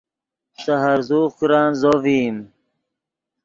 سے ہرزوغ کرن زو ڤئیم